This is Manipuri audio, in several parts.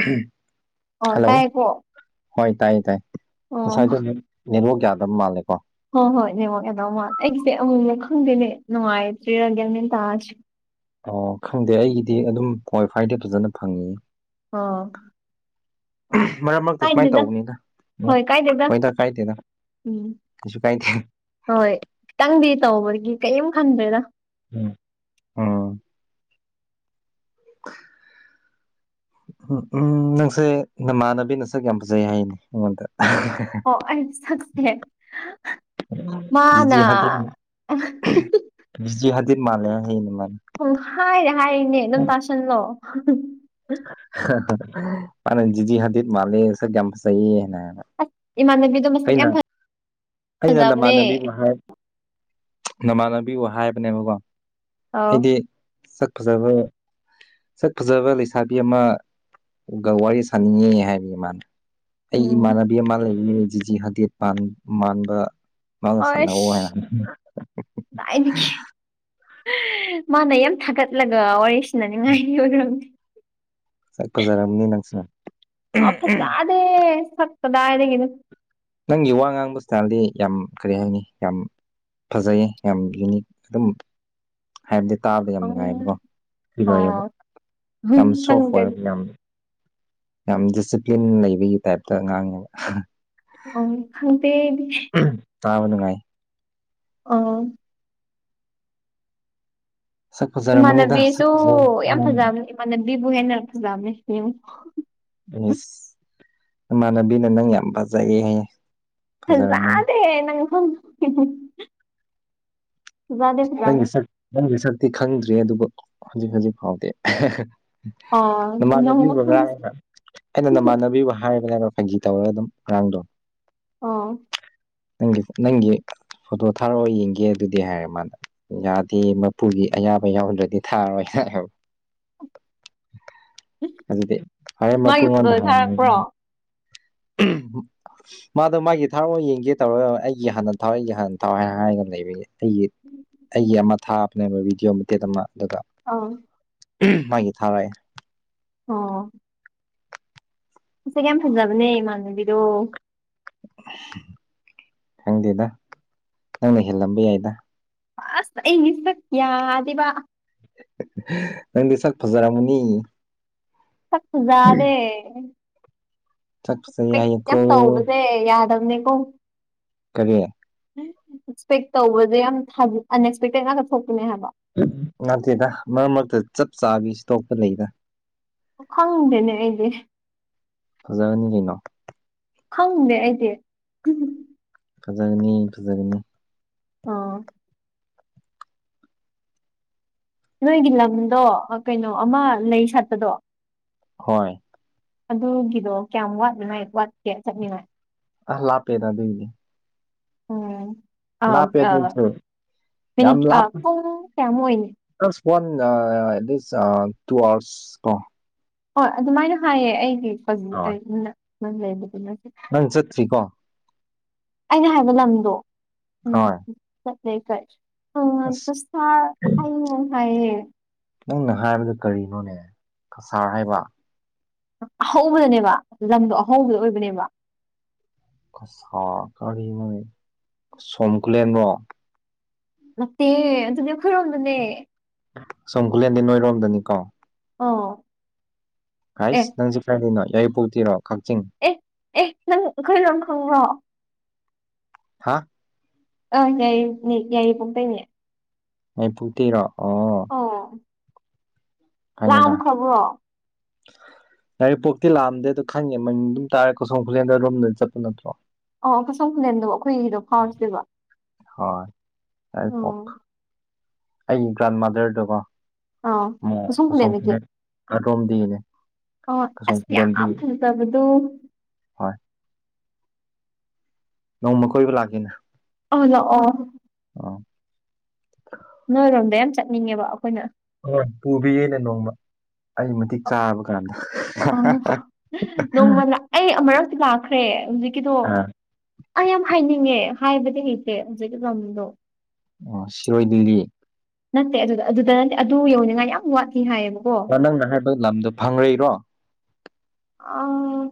ꯎꯝ ꯑꯣ ꯇꯥꯏꯀꯣ ꯍꯣꯏ ꯇꯥꯏꯌꯦ ꯇꯥꯏ ꯑꯣ ꯉꯁꯥꯏꯗ ꯅꯦꯂꯣꯛ ꯌꯥꯗꯕ ꯃꯥꯜꯂꯦꯀꯣ ꯍꯣꯏ ꯍꯣꯏ ꯅꯅꯦꯃꯣ ꯀꯗꯧ ꯃꯥ ꯑꯩꯒꯤꯁꯦ ꯑꯃꯨꯝꯗ ꯈꯪꯗꯦꯅꯦ ꯅꯨꯡꯉꯥꯏꯇ꯭ꯔꯤꯔꯒꯦꯜꯅꯦꯦꯟ ꯇꯥꯔꯁꯤ ꯑ ꯈꯪꯗꯦ ꯑꯩꯒꯤꯗꯤ ꯑꯗꯨꯝ ꯀꯏ ꯐꯥꯏꯗꯤ ꯐꯖꯅ ꯐꯪꯉ ꯑ ꯃꯔꯛ ꯃꯔꯛꯇ ꯁꯨꯃꯥꯏꯅ ꯇꯧꯕꯅꯤꯅ ꯍꯣꯏ ꯀꯥꯏꯗꯦꯗ ꯁꯣꯏꯗ ꯀꯥꯏꯗꯦꯗ ꯎꯝ ꯁꯤꯁꯨ ꯀꯥꯏ ꯊ ꯍꯣꯏ ꯈꯤꯇꯪꯗꯤ ꯇꯧꯕꯒꯤ ꯀꯔꯤꯝ ꯈꯟꯗ꯭ꯔꯦꯗ ꯎꯝ ꯎꯝ [unintelligible] ꯎꯝ ꯎꯝ ꯅꯪꯁꯦ ꯅꯃꯥꯟꯅꯕꯤꯅ ꯁꯛ ꯌꯥꯝ ꯐꯖꯩ ꯍꯥꯏꯅꯤ ꯑꯩꯉꯣꯟꯗ ꯑꯣ ꯑꯩ ꯁꯛꯁꯦ ꯃꯥꯅ ꯕꯤꯁ ꯈꯗꯤ ꯃꯥꯂꯦ ꯍ ꯃꯥꯅꯦ ꯎꯝ ꯍꯥꯏꯔꯦ ꯍꯥꯏꯔꯤꯅꯦ ꯑꯗꯨꯝ ꯇꯥꯁꯜꯂꯣ ꯃꯥꯅ ꯖꯤꯖꯤ ꯍꯗꯤꯠ ꯃꯥꯜꯦ ꯁ ꯒꯦꯝ ꯐꯁꯥꯏꯌꯦꯅ ꯃꯅꯦ ꯑꯩꯅ ꯑꯩꯅ ꯅꯃꯥꯟꯅꯕꯤꯕꯨ ꯍꯥꯏ ꯅꯃꯥꯟꯅꯕꯤꯕꯨ ꯍꯥꯏꯕꯅꯦꯕꯀꯣ ꯑꯧ ꯑꯩꯗꯤ ꯆꯛ ꯐꯖꯕ ꯁꯛ ꯐꯖꯕ ꯂꯩꯁꯥꯕꯤ ꯑꯃ ꯒ ꯋꯥꯔꯤ ꯁꯥꯅꯤꯡꯉꯦ ꯍꯥꯏꯔꯤ ꯃꯥꯅ ꯑꯩ ꯎꯝ ꯏꯃꯥꯟꯅꯕꯤ ꯑꯃ ꯂꯩꯌꯦ ꯖꯤꯖꯤ ꯈꯥꯗꯦꯞ ꯄꯥꯟ ꯃꯥꯟꯕ ꯃꯥꯒ ꯑꯁ ꯁꯥꯟꯅꯧꯑꯣ ꯍꯥꯏꯅ ꯀꯗꯥꯏꯗꯒꯤ ꯃꯥꯅ ꯌꯥꯝ ꯊꯥꯒꯠꯂꯒ ꯋꯥꯔꯤ ꯁꯥꯟꯅꯅꯤꯡꯉꯥꯏꯒꯤ ꯑꯣꯏꯔꯝꯃꯦ ꯁꯛ ꯐꯖꯥꯔꯝꯅꯤ ꯅꯪꯁꯦ ꯑ [unintelligible] ꯁꯛ ꯀꯗꯥꯏꯗꯒꯤꯅꯣ ꯅꯪꯒꯤ ꯋꯥ ꯉꯥꯡꯕ ꯏꯁꯇꯥꯏꯜꯗꯤ ꯌꯥꯝ ꯀꯔꯤ ꯍꯥꯏꯅꯤ ꯌꯥꯝ ꯐꯖꯩꯌꯦ ꯌꯥꯝ ꯌꯨꯅꯤꯛ ꯑꯗꯨꯝ ꯍꯥꯏꯕꯗꯤ ꯇꯥꯕꯗ ꯌꯥꯝ ꯎꯝ ꯅꯨꯡꯉꯥꯏꯌꯦꯕꯀꯣ ꯐꯔꯤꯑꯣꯏꯌꯦꯕ ꯑꯣ ꯌꯥꯝ ꯁꯣꯐ ꯈꯪꯗꯦ ꯑꯣꯏꯔꯒ ꯌꯥꯝ ꯌꯥꯝ ꯗꯤꯁꯤꯄ꯭ꯂꯤꯟ ꯂꯩꯕꯒꯤ ꯇꯥꯏꯞꯇ ꯉꯥꯡꯉꯦꯕ ꯑꯣ ꯈꯪꯇꯦ ꯑꯩꯗꯤ ꯇꯥꯕ ꯅꯨꯡꯉꯥꯏ ꯑꯣ ꯁꯛ ꯐꯖꯔꯝꯃꯅꯤꯗ ꯁꯛ ꯏꯃꯥꯟꯅꯕꯤꯁꯨ ꯌꯥꯝ ꯐꯖꯕꯅꯦ ꯏꯃꯥꯟꯅꯕꯤꯕꯨ ꯍꯦꯟꯅ ꯐꯖꯕꯅꯦ ꯌꯦꯡꯉꯣ ꯏꯁ ꯏꯃꯥꯟꯅꯕꯤꯅ ꯅꯪ ꯌꯥꯝ ꯐꯖꯩ ꯍꯥꯏꯌꯦ ꯐꯖꯔꯝꯃꯅꯤ ꯐꯖꯥꯗꯦꯍꯦ ꯅꯪ ꯍꯨꯝ ꯅꯪꯒꯤ ꯁꯛ ꯅꯪꯒꯤ ꯁꯛꯇꯤ ꯈꯪꯗ꯭ꯔꯤ ꯑꯗꯨꯕꯨ ꯍꯧꯖꯤꯛ ꯍꯧꯖꯤꯛ ꯐꯥꯎꯗꯤ ꯑꯣ ꯅꯃꯥꯟꯅꯕꯤꯕꯨ ꯅꯣꯡꯃ ꯈꯪꯁꯤ ꯉꯥꯡꯉꯥꯒ ꯑꯩꯅ ꯅꯃꯥꯟꯅꯕꯤꯕꯨ ꯍꯥꯏꯕꯅꯦꯕ ꯐꯥꯒꯤ ꯇꯧꯔꯒ ꯑꯗꯨꯝ ꯉꯔꯥꯡꯗꯣ ꯑꯣ ꯅꯪꯒꯤ ꯅꯪꯒꯤ ꯐꯣꯇꯣ ꯊꯥꯔꯛꯑꯣ ꯌꯦꯡꯒꯦ ꯑꯗꯨꯗꯤ ꯍꯥꯏꯔꯦ ꯃꯅꯥ ꯌꯥꯗꯦ ꯃꯄꯨꯒꯤ ꯑꯌꯥꯕ ꯌꯥꯎꯗ꯭ꯔꯗꯤ ꯊꯥꯔꯣꯏ ꯍꯥꯏ ꯑꯗꯨꯗꯤ ꯍꯣꯔꯦꯟ ꯃꯥꯒꯤ ꯃꯄꯨꯡꯉꯣꯟꯗ ꯐꯣꯇꯣꯗꯣ ꯍꯪꯉꯣ ꯊꯥꯔꯛꯄ꯭ꯔꯣ [unintelligible] ꯃꯥꯗꯣ ꯃꯥꯒꯤ ꯊꯔꯛꯑꯣ ꯌꯦꯡꯒꯦ ꯇꯧꯔꯒ ꯑꯩꯒꯤ ꯍꯥꯟꯅ ꯊꯥꯎ ꯑꯩꯒꯤ ꯍꯥꯟꯅ ꯊꯥꯎ ꯍꯥꯏꯅ ꯍꯥꯏꯔꯒꯅ ꯂꯩꯕꯩꯅꯦ ꯑꯩꯒꯤ ꯑꯩꯒꯤ ꯑꯃ ꯊꯥꯕꯅꯦꯕ ꯕꯤꯗꯤꯑꯣ ꯃꯇꯦꯛ ꯑꯃ ꯑꯗꯨꯒ ꯑꯥꯎ ꯃꯥꯒꯤ ꯊꯥꯔꯣꯑꯦ ꯑꯣ ꯃꯁꯛ ꯌꯥꯝ ꯐꯖꯕꯅꯦ ꯏꯃꯥꯟꯅꯕꯤꯗꯣ ꯈꯪꯗꯦꯗ ꯅꯪꯅ ꯍꯦꯜꯂꯝꯕ ꯌꯥꯏꯗ ꯑꯁ ꯑꯩꯒꯤ ꯁꯛ ꯌꯥꯗꯦꯕ ꯅꯪꯗꯤ ꯁꯥꯛ ꯐꯖꯔꯝꯒꯅꯤ ꯁꯛ ꯐꯖꯥꯗꯦ ꯁꯛ ꯐꯖꯩ [unintelligible] ꯍꯥꯏꯌꯦꯀꯣ ꯌꯥꯝ ꯇꯧꯕꯁꯦ ꯌꯥꯗꯕꯅꯦꯀꯣ ꯀꯔꯤ ꯑꯦꯛꯁꯄꯦꯛ ꯇꯧꯕꯁꯦ ꯌꯥꯝ ꯑꯟꯑꯦꯛꯁꯄꯦꯛꯇꯦꯠ ꯉꯥꯛꯇ ꯊꯣꯛꯄꯅꯦ ꯍꯥꯏꯕ ꯅꯠꯇꯦꯗ ꯃꯔꯛ ꯃꯔꯛꯇ ꯆꯞ ꯆꯥꯕꯤ ꯇꯣꯛꯄ ꯂꯩꯗ ꯈꯪꯗꯦꯅꯦ ꯑꯩꯗꯤ ꯐꯖꯔꯅꯤ ꯀꯩꯅꯣ ꯈꯪꯗꯦ ꯑꯩꯗꯤ ꯐꯖꯒꯅꯤ ꯐꯖꯒꯅꯤ ꯑꯣ ꯅꯣꯏꯒꯤ ꯂꯝꯗꯣ ꯀꯩꯅꯣ ꯑꯃ ꯂꯩ ꯁꯥꯠꯄꯗꯣ ꯍꯣꯏ ꯑꯗꯨꯒꯤꯗꯣ ꯀꯌꯥꯝ ꯋꯥꯠꯅꯤꯉꯥꯏ ꯋꯥꯠꯀꯦ ꯆꯠꯅꯤꯡꯉꯥꯏ ꯑ ꯂꯥꯞꯄꯦꯗ ꯑꯗꯨꯏꯗꯤ ꯎꯝ ꯑ ꯂꯥꯞꯄꯦ ꯑ ꯑꯗꯨꯁꯨ ꯃꯤꯅꯤꯠ ꯑ ꯄꯨꯡ ꯀꯌꯥꯃꯨꯛ ꯑꯣꯏꯅꯤ ꯑꯁ ꯋꯥꯟ [unintelligible] ꯇꯨ ꯑꯋꯥꯔꯁ ꯀꯣ ꯍꯣꯏ ꯑꯗꯨꯃꯥꯏꯅ ꯍꯥꯏꯌꯦ ꯑꯩꯒꯤ ꯍꯣꯏ [unintelligible] ꯅꯪ ꯆꯠꯇ꯭ꯔꯤꯀꯣ ꯑꯩꯅ ꯍꯥꯏꯕ ꯂꯝꯗꯣ ꯎꯝ ꯍꯣꯏ ꯆꯠꯁꯦ ꯆꯠ ꯑꯁ [inaudible] ꯍꯥꯏꯌꯦ ꯅꯪꯅ ꯍꯥꯏꯕꯗꯣ ꯀꯔꯤꯅꯣꯅꯦ ꯀꯁꯥꯔ ꯍꯥꯏꯕ ꯑꯍꯧꯕꯗꯅꯦꯕ ꯂꯝꯗꯣ ꯑꯍꯧꯕꯗꯣ ꯑꯣꯏꯕꯅꯦꯕ ꯀꯁꯥꯔ ꯀꯔꯤꯅꯣꯅꯦ ꯁꯣꯝꯈꯨꯂꯦꯟ ꯔꯣ ꯅꯠꯇꯦ ꯑꯗꯨꯗꯤ ꯑꯩꯈꯣꯢ ꯔꯣꯝꯗꯅꯦ ꯁꯣꯝꯈꯨꯂꯦꯟꯗꯤ ꯅꯣꯏꯔꯣꯝꯗꯅꯤꯀꯣ ꯑꯥꯎ ꯍꯥꯁ ꯅꯪꯁꯦ ꯀꯔꯥꯏꯗꯒꯤꯅꯣ ꯌꯥꯏꯔꯤꯄꯣꯛ ꯇꯩꯔꯣ ꯀꯛꯆꯤꯡ ꯑꯦ ꯑꯦ ꯅꯪ ꯑꯩꯈꯣꯏ ꯂꯣꯝ ꯈꯪꯕ꯭ꯔꯣ ꯍꯥ ꯑ ꯌꯥꯏꯔꯤ ꯌꯥꯏꯔꯤꯄꯣꯛꯇꯩꯩꯅꯦ ꯑꯩꯄꯨ [inaudible] ꯇꯦꯔꯣ ꯑꯣ ꯑꯥꯎ ꯈꯪꯢꯅ ꯌꯥꯏꯔꯤꯛꯄꯣꯛꯇꯤ ꯂꯥꯛꯑꯝꯗꯦꯗꯣ ꯈꯪꯉꯦ ꯃꯃꯤꯡ ꯑꯗꯨꯝ ꯇꯥꯔꯦ ꯀꯁꯣꯝ ꯈꯨꯂꯦꯟꯗ ꯅꯣꯢꯔꯣꯝꯗꯩ ꯆꯠꯄ ꯅꯠꯇ꯭ꯔꯣ ꯑꯣ ꯀꯁꯣꯝ ꯈꯨꯂꯦꯟꯗꯣ ꯑꯈꯣꯏꯒꯤꯗꯣ ꯐꯥꯎꯔ ꯆꯠꯇꯨꯢꯕ ꯍꯣꯏ ꯌꯥꯏꯔꯤꯄꯣꯛ ꯑꯩꯒꯤ ꯒ꯭ꯔꯥꯟ ꯃꯥꯗꯔꯗꯀꯣ ꯑꯥ ꯑꯣ ꯀꯁꯣꯝ ꯈꯨꯂꯦꯟꯗꯒꯤ ꯈꯨꯂꯦꯟ ꯑꯗꯣꯝꯗꯒꯤꯅꯤ ꯑꯣ ꯑꯁ ꯌꯥꯝ ꯐꯖꯕꯗꯣ ꯍꯣꯏ ꯅꯣꯡꯃ ꯀꯣꯏꯕ ꯂꯥꯛꯀꯦꯅꯦ ꯑꯣ ꯂꯛꯑꯣ ꯑꯥ ꯅꯣꯏꯔꯣꯝꯗ ꯌꯥꯝ ꯆꯠꯅꯤꯡꯉꯦꯕ ꯑꯈꯣꯏꯅ ꯍꯣꯏ ꯄꯨꯕꯤꯒꯦꯅꯦ ꯅꯣꯡꯃ ꯑꯩ ꯃꯇꯤꯛ ꯆꯥꯕ ꯀꯥꯟꯗ ꯅꯣꯡꯃ ꯂꯥꯛ ꯑꯩ ꯑꯃꯨꯔꯛꯇꯤ ꯂꯥꯛꯈ꯭ꯔꯦ ꯍꯧꯖꯤꯛꯀꯤꯗꯣ ꯑꯥ ꯑꯩ ꯌꯥꯝ ꯍꯥꯏꯅꯤꯡꯉꯦ ꯍꯥꯏꯕꯗꯤ ꯍꯩꯇꯦ ꯍꯧꯖꯤꯛꯀꯤ ꯂꯝꯗꯣ ꯑꯣ ꯁꯤꯔꯣꯏ ꯂꯤꯂꯤ ꯅꯠꯇꯦ ꯑꯗꯨꯗ ꯑꯗꯨꯗ ꯅꯠꯇꯦ ꯑꯗꯨ ꯌꯧꯗ꯭ꯔꯤꯉꯥꯏ ꯌꯥꯝ ꯋꯥꯠꯂꯤ ꯍꯥꯏꯌꯦꯕ ꯅꯪꯅ ꯍꯥꯏꯕ ꯂꯝꯗꯣ ꯐꯪꯔꯩꯔꯣ ꯑꯥ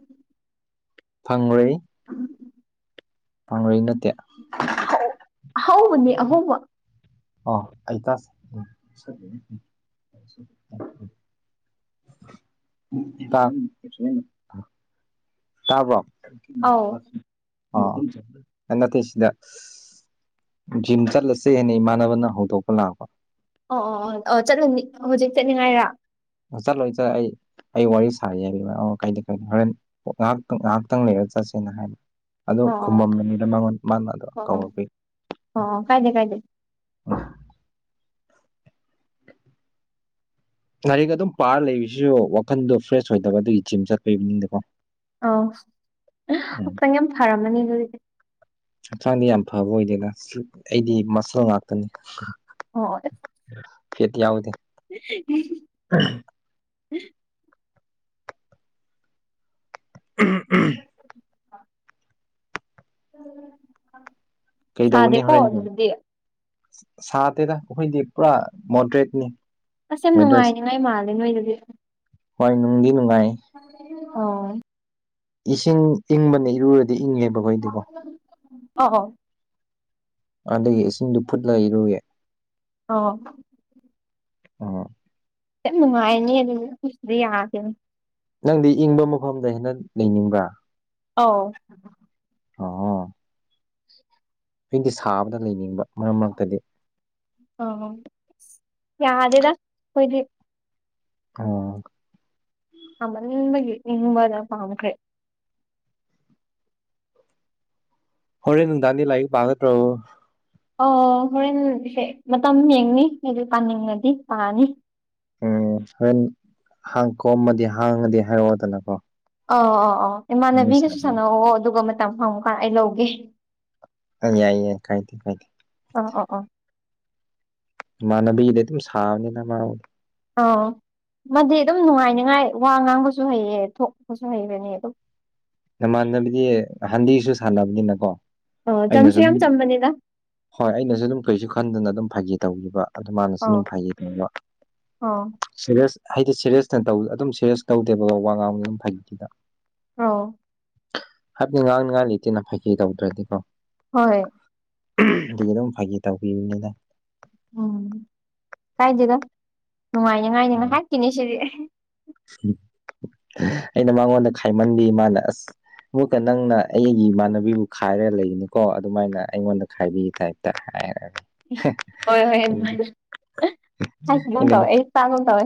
ꯐꯪꯔꯩ [inaudible] ꯐꯪꯔꯩ ꯅꯠꯇꯦ ꯍꯧ ꯑꯍꯧꯕꯅꯦ ꯑꯍꯧꯕ ꯑꯣ ꯑꯩ ꯇꯥꯁ [inaudible] [inaudible] ꯇꯥꯕ꯭ꯔꯣ ꯑꯥꯎ ꯑ ꯅꯠꯇꯦ ꯁꯤꯗ ꯖꯤꯝ ꯆꯠꯂꯁꯦ ꯍꯥꯏꯅ ꯏꯃꯥꯟꯅꯕꯅ ꯍꯧꯗꯣꯛꯄ ꯂꯥꯛꯄ ꯑꯣ ꯑꯣ ꯑꯣ ꯆꯠꯂꯅꯤ ꯍꯧꯖꯤꯛ ꯆꯠꯅꯤꯡꯉꯥꯏꯔ ꯆꯠꯂꯣꯏꯗ ꯑꯩ ꯑꯩ ꯋꯥꯔꯤ ꯁꯥꯔꯤ ꯍꯥꯏ ꯑꯣ ꯀꯥꯏꯗꯦ ꯀꯥꯏꯗꯦ ꯍꯣꯔꯦꯟ ꯉꯍꯥꯛꯇꯪ ꯉꯍꯥꯛꯇꯪ ꯂꯩꯔ ꯆꯠꯁꯦꯅ ꯍꯥꯏꯕ ꯑꯗꯨ ꯑꯣ ꯑꯣ ꯈꯨꯝꯃꯝꯕꯅꯤꯗ ꯃꯉꯣꯟ ꯃꯥꯅ ꯑꯗꯣ ꯑꯣ ꯑꯣ ꯀꯧꯔꯛꯄꯩ ꯑꯣ ꯑꯣ ꯀꯥꯏꯗꯦ ꯀꯥꯏꯗꯦ ꯂꯥꯢꯔꯤꯛ ꯑꯗꯨꯝ ꯄꯥꯔ ꯂꯩꯕꯁꯤꯁꯨ ꯋꯥꯈꯟꯗꯣ ꯐ꯭ꯔꯦꯁ ꯑꯣꯏꯗꯕ ꯑꯗꯨꯒꯤ ꯖꯤꯝ ꯆꯠꯈꯤꯕꯅꯤꯗꯀꯣ ꯑꯥꯎ ꯈꯥꯛꯆꯥꯡ ꯌꯥꯝ ꯐꯔꯝꯃꯅꯤ ꯑꯗꯨꯗꯤ ꯍꯛꯆꯥꯡꯗꯤ ꯌꯥꯝ ꯐꯕ ꯑꯣꯏꯗꯦꯗ ꯑꯩꯗꯤ ꯃꯁꯜ ꯉꯥꯛꯇꯅꯤ ꯑꯣ ꯑꯣ ꯈꯦꯇꯤ ꯌꯥꯎꯗꯦ [unintelligible] [unintelligible] ꯎꯝ ꯎꯝ ꯁꯥꯗꯦꯀꯣ ꯑꯗꯨꯗꯗꯤ ꯁ ꯁꯥꯗꯦꯗ ꯑꯈꯣꯏꯗꯤ ꯄꯨꯔꯥ ꯃꯣꯗ꯭ꯔꯦꯠꯅꯤ ꯑꯁ ꯌꯥꯝ ꯅꯨꯡꯉꯥꯏꯅꯤꯉꯥꯏ ꯃꯥꯜꯂꯦ ꯅꯣꯏꯗꯨꯗꯤ ꯍꯣꯏ ꯅꯨꯡꯗꯤ ꯅꯨꯡꯉꯥꯏ ꯑꯣ ꯏꯁꯤꯡ ꯏꯪꯕꯅ ꯏꯔꯨꯔꯗꯤ ꯏꯪꯉꯦꯕꯀꯣ ꯑꯩꯗꯤꯀꯣ ꯑꯣ ꯑꯣ ꯑꯗꯒꯤ ꯏꯁꯤꯡꯗꯨ ꯐꯨꯠꯂ ꯏꯔꯨꯌꯦ ꯑꯣ ꯑ ꯌꯥꯝ ꯅꯨꯡꯉꯥꯏꯅꯦ ꯑꯗꯨꯗꯤ ꯑꯩꯈꯣꯏ ꯁꯤꯗ ꯌꯥꯗꯦ [unintelligible] ꯅꯪꯗꯤ ꯏꯪꯕ ꯃꯐꯝꯗ ꯍꯦꯟꯅ ꯂꯩꯅꯤꯡꯕ꯭ꯔꯥ ꯑꯧ ꯑꯣ [unintelligible] ꯑꯩꯗꯤ ꯁꯥꯕꯗ ꯂꯩꯅꯤꯡꯕ ꯃꯔꯛ ꯃꯔꯛꯇꯗꯤ ꯑ ꯌꯥꯗꯦꯗ ꯑꯩꯈꯣꯏꯗꯤ ꯑꯣ ꯑꯃꯟꯅꯤꯡꯕꯒꯤ ꯅꯤꯡꯕꯗ ꯄꯥꯝꯈ꯭ꯔꯦ ꯍꯣꯔꯦꯟ ꯅꯨꯡꯗꯥꯡꯗꯤ ꯂꯥꯏꯔꯤꯛ ꯄꯥꯒꯇ꯭ꯔꯣ ꯑꯣ ꯍꯣꯔꯦꯟꯁꯦ ꯃꯇꯝ ꯌꯦꯡꯅꯤ ꯑꯩꯗꯤ ꯄꯥꯅꯤꯡꯉꯗꯤ ꯄꯥꯅꯤ ꯎꯝ ꯍꯣꯔꯦꯟ ꯍꯥꯡ ꯀꯣꯝꯃꯗꯤ ꯍꯥꯡꯉꯗꯤ ꯍꯥꯏꯔꯛꯑꯣꯗꯅꯀꯣ ꯑ ꯑ ꯑꯣ ꯅꯪ ꯏꯃꯥꯟꯅꯕꯤꯒꯁꯨ ꯁꯥꯕ ꯁꯥꯟꯅꯧꯋꯣ ꯑꯗꯨꯒ ꯃꯇꯝ ꯐꯪꯕꯀꯥꯟ ꯑꯩ ꯂꯧꯒꯦ ꯌꯥꯏ ꯌꯥꯏ ꯀꯥꯏꯗꯦ ꯀꯥꯏꯗꯦ ꯑꯣ ꯑꯣ ꯑꯣ ꯏꯃꯥꯟꯅꯕꯤꯗ ꯑꯗꯨꯝ ꯁꯥꯕꯅꯤꯅ ꯃꯥ ꯑꯥꯎ ꯃꯥꯗꯤ ꯑꯗꯨꯝ ꯅꯨꯡꯉꯥꯏꯅꯤꯉꯥꯏ ꯋꯥ ꯉꯥꯡꯕꯁꯨ ꯍꯩꯌꯦ ꯊꯣꯛꯄꯁꯨ ꯍꯩꯕꯅꯦ ꯑꯗꯨꯝ ꯅꯃꯥꯟꯅꯕꯤꯗꯤ ꯅꯍꯥꯟꯗꯩꯁꯨ ꯁꯥꯟꯅꯕꯅꯤꯅꯀꯣ ꯑꯣ ꯆꯝꯁꯨ ꯑꯩꯅꯖꯨꯝ ꯌꯥꯝ ꯆꯝꯕꯅꯤꯗ ꯍꯣꯏ ꯑꯩꯅꯖꯨ ꯑꯗꯨꯝ ꯀꯩꯁꯨ ꯈꯟꯗꯅ ꯑꯗꯨꯝ ꯐꯥꯒꯤ ꯇꯧꯒꯤꯕ ꯑꯗꯨ ꯃꯥꯅꯁꯨ ꯑꯧ ꯑꯗꯨꯝ ꯐꯥꯒꯤꯒꯨꯝꯕ ꯑꯧ ꯁꯦꯔꯦꯁ ꯍꯥꯏꯗꯤ ꯁꯦꯔꯦꯁꯇ ꯇꯧ ꯑꯗꯨꯝ ꯁꯦꯔꯦꯁ ꯇꯧꯗꯦꯕꯀꯣ ꯋꯥ ꯉꯥꯡ ꯑꯗꯨꯝ ꯐꯩꯗ ꯑꯥꯎ ꯍꯥꯏꯕꯗꯤ ꯉꯥꯡꯅꯤꯡꯉꯥꯏ ꯂꯩꯇꯦꯅ ꯐꯥꯒꯤ ꯇꯧꯗ꯭ꯔꯗꯤꯀꯣ ꯍꯣꯏ ꯑꯗꯨꯒꯤ ꯑꯗꯨꯝ ꯐꯥꯒꯤ ꯇꯧꯕꯤꯕꯅꯤꯗ ꯎꯝ ꯀꯥꯏꯗꯦꯗ ꯅꯨꯡꯉꯥꯏꯅꯤꯉꯥꯏꯅꯤ ꯉꯥꯏꯍꯥꯛꯀꯤꯅꯤ ꯁꯤꯗꯤ [unintelligible] ꯑꯩꯅ ꯃꯉꯣꯟꯗ ꯈꯥꯏꯃꯟꯕꯤ ꯃꯥꯅ ꯑꯁ ꯑꯃꯛꯀ ꯅꯪꯅ ꯑꯩꯒꯤ ꯏꯃꯥꯟꯅꯕꯤꯕꯨ ꯈꯥꯏꯔꯒ ꯂꯩꯒꯅꯤꯀꯣ ꯑꯗꯨꯃꯥꯏꯅ ꯑꯩꯉꯣꯟꯗ ꯈꯥꯏꯕꯤ ꯇꯥꯏ [unintelligible] ꯍꯣꯏ ꯍꯣꯏ ꯍꯥꯏꯈꯤꯒꯨꯝ ꯑꯩꯅ ꯇꯧꯋꯦ ꯑꯩ ꯇꯥꯒꯨꯝ ꯇꯧꯋꯦ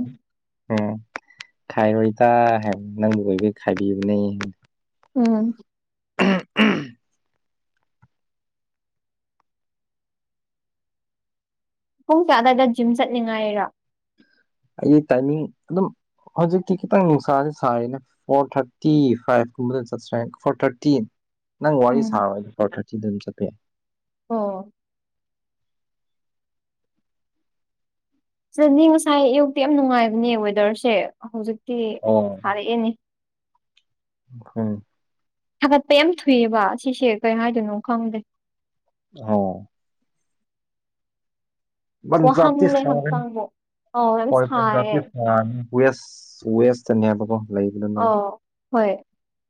ꯎꯝ ꯈꯥꯏꯔꯣꯏ ꯇ ꯍꯥꯏꯕ ꯅꯪꯕꯨ ꯑꯣꯏꯕꯩ ꯈꯥꯏꯕꯤꯕꯅꯦ ꯎꯝ ꯎꯝ ꯎꯝ ꯄꯨꯡ ꯀꯌꯥꯗꯥꯏꯗ ꯖꯤꯝ ꯆꯠꯅꯤꯡꯉꯥꯏꯔꯣ ꯑꯩꯒꯤ ꯇꯥꯏꯃꯤꯡ ꯑꯗꯨꯝ ꯍꯧꯖꯤꯛꯇꯤ ꯈꯤꯇꯪ ꯅꯨꯡꯁꯥꯥꯖꯦ ꯁꯥꯔꯤꯅ ꯐꯣꯔ ꯊꯥꯔꯇꯤ ꯐꯥꯏꯚ ꯀꯨꯝꯕ ꯆꯠꯁꯤꯔ [unintelligible] ꯐꯣꯔ ꯊꯥꯔꯇꯤ ꯅꯪ ꯋꯥꯔꯤ ꯎꯝ ꯁꯥꯔ ꯄꯔ ꯊꯥꯔꯇꯤꯗ ꯑꯗꯨꯝ ꯆꯠꯈ꯭ꯔꯦ ꯑꯣ ꯁꯤꯗꯅꯤ ꯉꯁꯥꯏ ꯑꯌꯨꯛꯇꯤ ꯌꯥꯝ ꯅꯨꯡꯉꯥꯏꯕꯅꯦ ꯋꯦꯗꯔꯁꯦ ꯍꯧꯖꯤꯛꯇꯤ ꯁꯥꯔꯛꯑꯦꯅꯦ ꯎꯈꯣꯏ ꯊꯥꯒꯠꯄ ꯌꯥꯝ ꯊꯨꯏꯕ ꯁꯤꯁꯦ ꯀꯩ ꯍꯥꯏꯗꯣꯏꯅꯣ ꯈꯪꯗꯦ [unintelligible] ꯄꯟꯖꯥꯞꯇꯤ ꯋꯥꯍꯜꯂꯦ ꯁꯥꯔꯦꯍꯦ ꯍꯛꯆꯥꯡꯕꯨ ꯑꯧ ꯌꯥꯝ ꯍꯣꯏ ꯄꯟꯖꯥꯞꯇꯤ ꯁꯥꯏꯌꯦ ꯁꯥꯕꯅꯦ ꯋꯦꯁ ꯋꯦꯁ ꯇꯅꯦꯕ ꯀꯣ ꯂꯩꯕꯗꯣ ꯅꯣꯏ ꯑꯧ ꯍꯣꯏ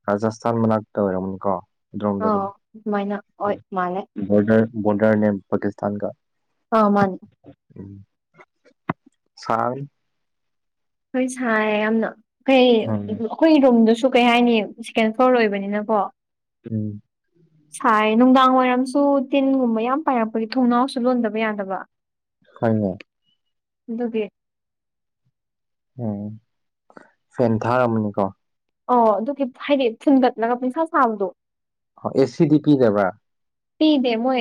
ꯔꯥꯖꯁꯊꯥꯟ ꯃꯅꯥꯛꯇ ꯑꯣꯏꯔꯝꯃꯅꯤꯀꯣ ꯑꯗ꯭ꯔꯣꯝꯗ ꯑꯗꯨꯝ ꯑꯥ ꯑꯗꯨꯃꯥꯏꯅ ꯍꯣꯏ ꯃꯥꯂꯦ ꯕꯣꯔꯗꯔ ꯕꯣꯔꯗꯔꯅꯦ ꯄꯥꯀꯤꯁꯇꯥꯟꯒ ꯑ ꯃꯥꯟ ꯎꯝ ꯁꯥꯏ ꯍꯣꯏ ꯁꯥꯏꯌꯦ ꯌꯥꯝꯅ ꯀꯩ ꯎꯝ ꯑꯩꯈꯣꯏ ꯔꯨꯝꯗꯨꯁꯨ ꯀꯩ ꯍꯥꯏꯅꯤ ꯁꯦꯀꯦꯟ ꯐ꯭ꯂꯣꯔ ꯑꯣꯏꯕꯅꯤꯅꯀꯣ ꯎꯝ ꯁꯥꯏ ꯅꯨꯡꯗꯥꯡ ꯋꯥꯏꯔꯝꯁꯨ ꯇꯤꯟꯒꯨꯝꯕ ꯌꯥꯝ ꯄꯥꯏꯔꯛꯄꯒꯤ ꯊꯣꯡꯅꯥꯎꯁꯨ ꯂꯣꯟꯗꯕ ꯌꯥꯗꯕ ꯍꯣꯏꯅꯦ ꯑꯗꯨꯒꯤ ꯎꯝ ꯐꯦꯟ ꯊꯥꯔꯝꯃꯅꯤꯀꯣ ꯑꯣ ꯑꯗꯨꯒꯤ ꯍꯥꯏꯗꯤ ꯊꯤꯟꯒꯠꯂꯒ ꯄꯨꯡꯁꯥ ꯁꯥꯕꯗꯣ ꯑꯦꯁꯤꯗꯤ ꯄꯤꯗꯕ꯭ꯔꯥ ꯄꯤꯗꯦ ꯃꯣꯏ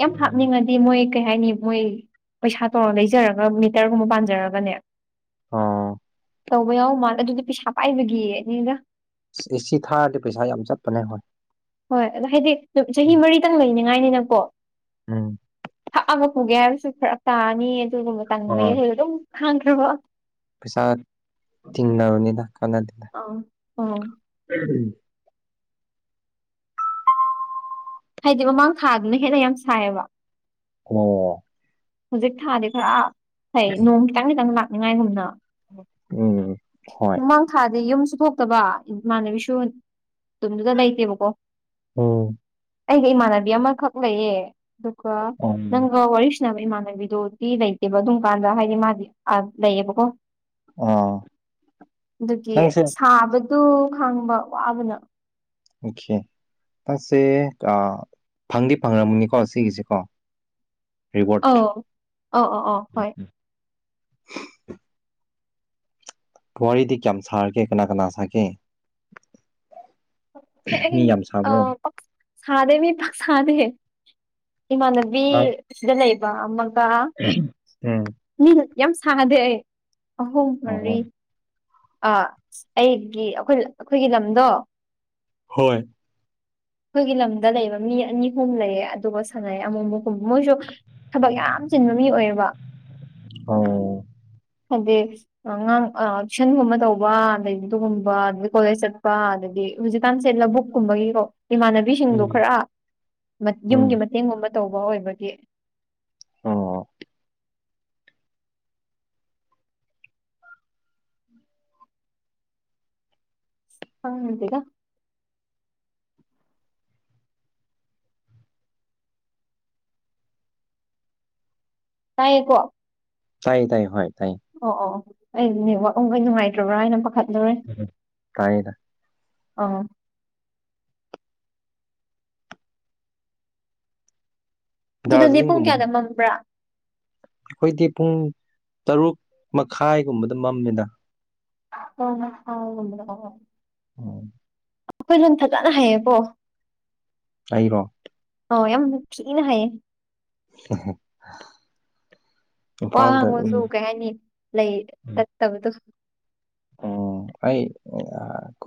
ꯌꯥꯝ ꯎꯝ ꯍꯥꯞꯅꯤꯡꯉꯗꯤ ꯃꯣꯏ ꯀꯩ ꯍꯥꯏꯅꯤ ꯃꯣꯏ ꯄꯩꯁꯥ ꯇꯧꯔ ꯂꯩꯖꯔꯒ ꯃꯤꯇꯔꯒꯨꯝꯕ ꯄꯥꯟꯖꯔꯒꯅꯦ ꯑꯣ ꯇꯧꯕ ꯌꯥꯎ ꯃꯥꯜꯂ ꯑꯗꯨꯗꯤ ꯄꯩꯁꯥ ꯄꯥꯏꯕꯒꯤꯅꯤꯗ ꯑꯦꯁꯤ ꯊꯥꯔꯗꯤ ꯄꯩꯁꯥ ꯌꯥꯝ ꯆꯠꯄꯅꯦ ꯍꯣꯏ ꯍꯣꯏ ꯑꯗꯣ ꯍꯥꯏꯗꯤ ꯆꯍꯤ ꯃꯔꯤꯇꯪ ꯂꯩꯅꯤꯉꯥꯏꯅꯤꯅꯀꯣ ꯎꯝ ꯐꯛꯑꯒ ꯄꯨꯒꯦ ꯍꯥꯏꯔꯁꯨ ꯐꯔꯛ ꯇꯥꯔꯅꯤ ꯑꯗꯨꯅ ꯃꯇꯡ ꯍꯣꯏ ꯂꯩꯔꯒ ꯑꯗꯨꯝ ꯈꯥꯡꯈ꯭ꯔꯕ ꯄꯩꯁꯥ ꯇꯤꯡꯅꯕꯅꯤꯗ ꯀꯅꯥꯗꯦꯗ ꯑ ꯑꯥ [inaudible] ꯍꯥꯏꯗꯤ ꯃꯃꯥꯡ ꯊꯥꯗꯨꯅ ꯍꯦꯟꯅ ꯌꯥꯝ ꯁꯥꯏꯌꯦꯕ [unintelligible] ꯍꯧꯖꯤꯛ ꯊꯥꯗꯤ ꯈꯔ ꯐꯩ ꯅꯣꯡ ꯈꯤꯇꯪ ꯈꯤꯇꯪ ꯂꯥꯛꯅꯤꯡꯉꯥꯏꯒꯨꯝꯅ ꯎꯝ ꯍꯣꯏ ꯃꯃꯥꯡ ꯊꯥꯗꯤ ꯌꯨꯝꯁꯨ ꯊꯣꯛꯇꯕ ꯏꯃꯥꯟꯅꯕꯤꯁꯨ ꯇꯨꯝꯗꯨꯗ ꯂꯩꯇꯦꯕꯀꯣ ꯎꯝ ꯑꯩꯒ ꯏꯃꯥꯟꯅꯕꯤ ꯑꯃꯈꯛ ꯂꯩꯌꯦ ꯑꯗꯨꯒ ꯎꯝ ꯅꯪꯒ ꯋꯥꯔꯤ [inaudible] ꯏꯃꯥꯟꯅꯕꯤꯗꯨꯗꯤ ꯂꯩꯇꯦꯕ ꯑꯗꯨꯝ ꯀꯥꯟꯗ ꯍꯥꯏꯗꯤ ꯑꯥꯗ ꯂꯩꯌꯦꯕꯀꯣ ꯑ ꯑꯗꯨꯒꯤ ꯁꯥꯕꯗꯨ ꯈꯪꯕ ꯋꯥꯕꯅ ꯑꯣꯈꯦ ꯄꯠꯁꯦ ꯐꯪꯗꯤ ꯐꯪꯉꯝꯃꯅꯤꯀꯣ ꯁꯤꯒꯤꯁꯤꯦꯀꯣ ꯑ ꯑꯣ ꯑꯣ ꯑꯣ ꯍꯣꯏ ꯋꯥꯔꯤꯗꯤ ꯀꯌꯥꯝ ꯁꯥꯔꯒꯦ ꯀꯅꯥ ꯀꯅꯥ ꯁꯥꯒꯦ ꯑꯩ ꯃꯤ ꯌꯥꯝ ꯑ ꯁꯥꯕ꯭ꯔꯣ ꯄꯛ ꯁꯥꯗꯦ ꯃꯤ ꯄꯛ ꯁꯥꯗꯦ ꯏꯃꯥꯟꯅꯕꯤ ꯁꯤꯗ ꯂꯩꯕ ꯑꯃꯒ ꯎꯝ ꯃꯤ ꯌꯥꯝ ꯁꯥꯗꯦ ꯑꯩ ꯑꯍꯨꯝ ꯃꯔꯤ ꯑꯣ ꯑ ꯑꯩꯒꯤ ꯑꯩꯈꯣꯏ ꯑꯩꯈꯣꯏꯒꯤ ꯂꯝꯗꯣ ꯍꯣꯏ ꯑꯩꯈꯣꯏꯒꯤ ꯂꯝꯗ ꯂꯩꯕ ꯃꯤ ꯑꯅꯤꯍꯨꯝ ꯂꯩꯌꯦ ꯑꯗꯨꯒ ꯁꯅꯩ ꯑꯃꯨꯃꯨꯒꯨꯝ ꯃꯣꯏꯁꯨ ꯊꯕꯛ ꯌꯥꯝ ꯆꯤꯟꯕ ꯃꯤ ꯑꯣꯏꯌꯦꯕ ꯑꯣ ꯍꯧꯖꯤꯛ ꯑꯉꯥꯡ ꯑ ꯇꯨꯏꯁꯟꯒꯨꯝꯕ ꯇꯧꯕ ꯑꯗꯩ ꯑꯗꯨꯒꯨꯝꯕ ꯑꯗꯒꯤ ꯀꯣꯂꯦꯖ ꯆꯠꯄ ꯑꯗꯒꯤ ꯍꯧꯖꯤꯛꯀꯥꯟꯁꯦ ꯂꯕꯨꯨꯛꯀꯨꯝꯕꯒꯤꯀꯣ ꯏꯃꯥꯟꯅꯕꯤꯁꯤꯡꯗꯣ ꯈꯔ ꯌꯨꯝꯒꯤ ꯎꯝ ꯃꯇꯦꯡꯒꯨꯝꯕ ꯇꯧꯕ ꯑꯣꯏꯕꯒꯤ ꯑꯣ ꯈꯪꯗꯦꯗ ꯇꯥꯏꯌꯦꯀꯣ ꯇꯥꯏ ꯇꯥꯏ ꯍꯣꯏ ꯇꯥꯏ ꯑꯣ ꯑꯣ ꯑꯣ ꯑꯩꯗꯤ ꯅꯦꯠꯋꯥꯛ ꯎꯪꯒꯩ ꯅꯨꯡꯉꯥꯏꯇ꯭ꯔꯕ꯭ꯔꯥꯅ ꯄꯥꯈꯠꯂꯨꯔꯦ ꯇꯥꯏꯌꯦꯗ ꯑꯥ ꯑꯗꯨꯗꯅꯦ ꯄꯨꯡ ꯗꯥꯔꯖꯤꯂꯤꯡꯒꯨꯝꯕ ꯀꯌꯥꯗ ꯃꯝꯕ꯭ꯔꯥ ꯑꯩꯈꯣꯏꯗꯤ ꯄꯨꯡ ꯇꯔꯨꯛ ꯃꯈꯥꯏꯒꯨꯝꯕꯗ ꯃꯝꯃꯦꯗ [unintelligible] [unintelligible] ꯑꯩꯈꯣꯏꯟ ꯐꯖꯅ ꯍꯥꯏꯩꯌꯦꯀꯣ ꯑꯩꯔꯣ ꯑꯣ ꯌꯥꯝ ꯊꯤꯅ ꯍꯩꯌꯦ [unintelligible] ꯋꯥ ꯏꯝꯐꯥꯜꯗ ꯑꯗꯨꯝ ꯉꯥꯡꯕꯁꯨ ꯀꯩ ꯍꯥꯏꯅꯤ ꯂꯩ ꯇꯥꯠꯇꯕꯗꯣ ꯑꯣ ꯑꯩ ꯑꯥ